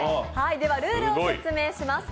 ルールを説明します。